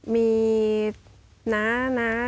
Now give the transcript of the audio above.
มีนา